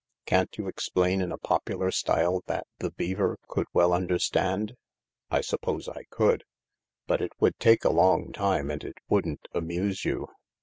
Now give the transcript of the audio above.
"Can't you explain in a popular style that the beaver could well understand ?"" I suppose I could. But it would take a long time and it wouldn't amuse you.